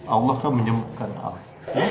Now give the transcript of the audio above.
allah akan menyembuhkan allah